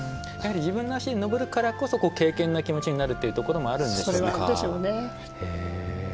やはり自分の足で登るからこそ敬けんな気持ちになるというところもあるんでしょうか。